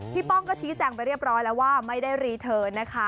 ป้องก็ชี้แจงไปเรียบร้อยแล้วว่าไม่ได้รีเทิร์นนะคะ